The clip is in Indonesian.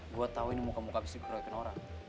gue tau ini muka muka bisa diperolehkan orang